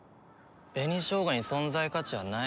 紅ショウガに存在価値はない。